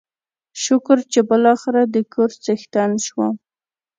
شکر چې بلاخره دکور څښتن شوم.